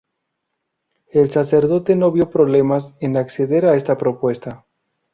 El sacerdote no vio problemas en acceder a esta propuesta.